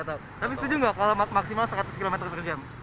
tapi setuju nggak kalau maksimal seratus km per jam